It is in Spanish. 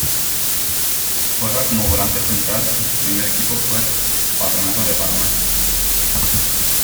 Juega como volante central y su primer equipo fue Patronato de Paraná.